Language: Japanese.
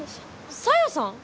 小夜さん？